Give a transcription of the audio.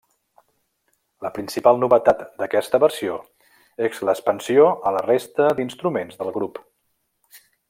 La principal novetat d'aquesta versió és l'expansió a la resta d'instruments del grup.